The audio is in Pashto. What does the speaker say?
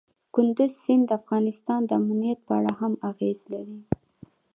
کندز سیند د افغانستان د امنیت په اړه هم اغېز لري.